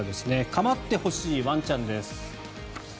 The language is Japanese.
構ってほしいワンちゃんです。